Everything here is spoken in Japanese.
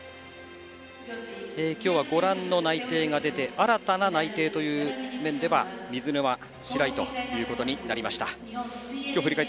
今日はご覧の内定が出て新たな内定では水沼、白井となりました。